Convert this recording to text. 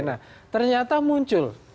nah ternyata muncul